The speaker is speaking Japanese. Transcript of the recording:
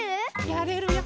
やれるよ。